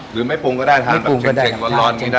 หรือไม่ปรุงก็ได้ออกมาก็ออกมาแบบเช็งเช็งแล้วกี่ได้